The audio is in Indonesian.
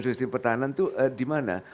sistem pertahanan itu dimana